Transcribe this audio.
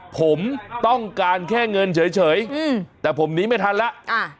ผมต้องการแค่เงินเฉยอืมแต่ผมหนีไม่ทันแล้ว